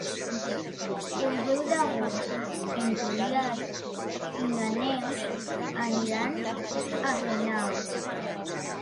El deu d'agost en Julià i na Neus aniran a Renau.